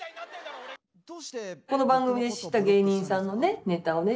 ここの番組で知った芸人さんのねネタをね